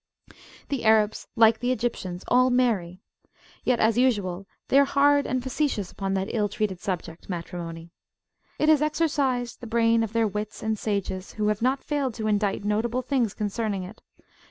The Arabs, like the Egyptians, all marry. Yet, as usual, they are hard and facetious upon that ill treated subjectmatrimony. It has exercised the brain of their wits and sages, who have not failed to indite notable things concerning it.